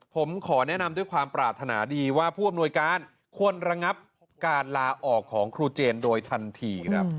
ผมขอแนะนำด้วยความปรารถนาดีว่าผู้อำนวยการควรระงับการลาออกของครูเจนโดยทันทีครับ